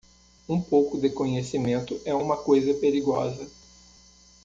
Um pouco de conhecimento é uma coisa perigosa.